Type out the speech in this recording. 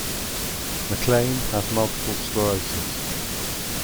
MacLean has multiple sclerosis.